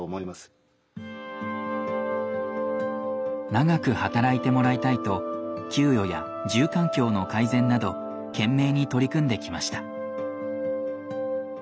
長く働いてもらいたいと給与や住環境の改善など懸命に取り組んできました。